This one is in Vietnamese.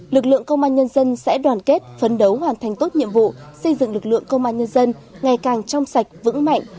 lực lượng công an nhân dân sẽ đoàn kết phấn đấu hoàn thành tốt nhiệm vụ xây dựng lực lượng công an nhân dân ngày càng trong sạch vững mạnh